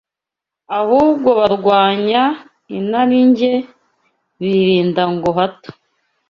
ahubwo barwanya inarijye, birinda ngo hato